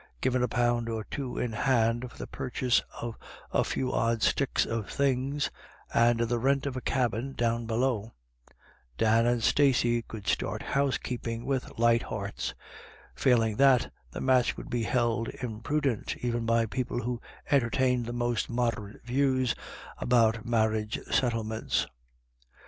Given a pound or two in hand for the purchase of "a few odd sticks of things," and the rent of a cabin down below, Dan and Stacey could start housekeeping with light hearts ; failing that, the match would be held imprudent even by people who entertained the most moderate views about mar riage settlements.